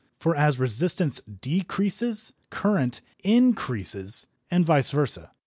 For as resistance decreases current increases, and vice versa.